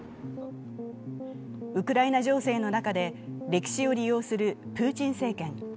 ウクライナ情勢の中で歴史を利用するプーチン政権。